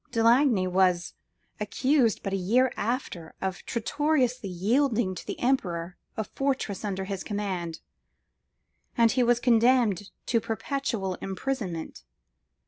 De Lagny was accused but a year after of traitorously yielding to the emperor a fortress under his command, and he was condemned to perpetual imprisonment.